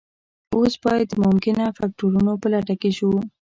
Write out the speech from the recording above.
اوس باید د ممکنه فکتورونو په لټه کې شو